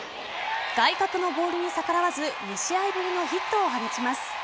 外角のボールに逆らわず２試合ぶりのヒットを放ちます。